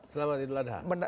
selamat idul adha